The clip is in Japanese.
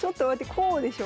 こうでしょ？